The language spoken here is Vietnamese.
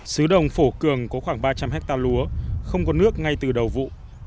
xứ đồng phổ cường có khoảng ba trăm linh hectare lúa không có nước ngay từ đầu vụ